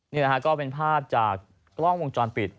นี่นะฮะก็เป็นภาพจากกล้องวงจรปิด